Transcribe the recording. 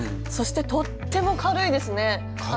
そしてとっても軽いですね。